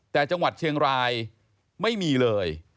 แต่จังหวัดเชียงรายไม่มีเลย